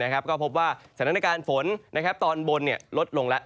ก็พบว่าสถานการณ์ฝนตอนบนลดลงแล้ว